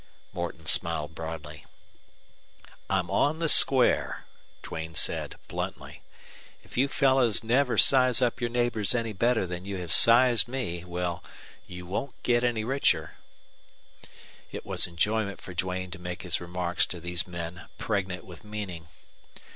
Morton smiled broadly. "I'm on the square," Duane said, bluntly. "If you fellows never size up your neighbors any better than you have sized me well, you won't get any richer." It was enjoyment for Duane to make his remarks to these men pregnant with meaning.